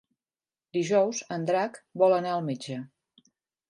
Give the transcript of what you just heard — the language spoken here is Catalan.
Dijous en Drac vol anar al metge.